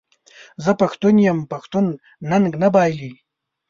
زه پښتون یم پښتون ننګ نه بایلي.